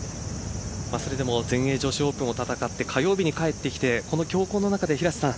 それでも全英女子オープンを戦って火曜日に帰ってきてこの強行の中で平瀬さん